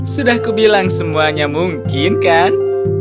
sudah kubilang semuanya mungkin kan